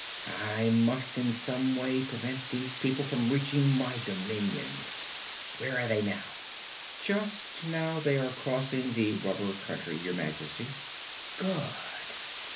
"I must in some way prevent these people from reaching my dominions. Where are they now?" "Just now they are crossing the Rubber Country, Your Majesty." "Good!